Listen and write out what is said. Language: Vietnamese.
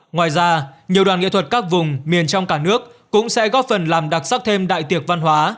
ngoài ra nhiều đoàn nghệ thuật các vùng miền trong cả nước cũng sẽ góp phần làm đặc sắc thêm đại tiệc văn hóa